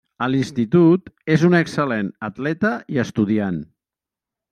A l'institut és una excel·lent atleta i estudiant.